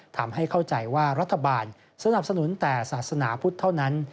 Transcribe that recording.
ทำให้เข้าใจว่ารัฐบาลสนับสนุนแต่ศาสนาพุทธเท่านั้น